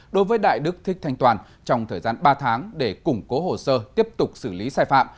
đối với đại đức thích thanh toàn trong thời gian ba tháng để củng cố hồ sơ tiếp tục xử lý sai phạm